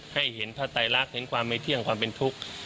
ให้เห็นพระไตรรักเห็นความไม่เที่ยงความเป็นทุกข์